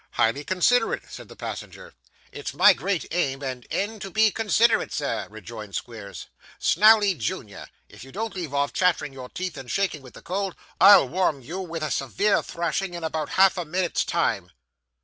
'Highly considerate,' said the passenger. 'It's my great aim and end to be considerate, sir,' rejoined Squeers. 'Snawley, junior, if you don't leave off chattering your teeth, and shaking with the cold, I'll warm you with a severe thrashing in about half a minute's time.